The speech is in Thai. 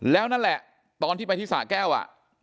แล้วนั่นแหละตอนที่ไปที่สะแก้ว